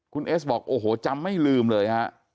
คุณเอสบอกโอ้โหจำไม่ลืมเลยฮะ